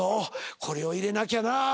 これを入れなきゃな」